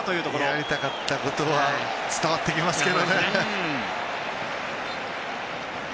やりたかったことは伝わってきますけどね。